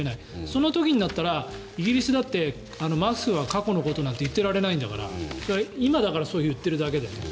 その時になったらイギリスだってマスクは過去のことだと言ってられないんだから今だからそう言っているだけで。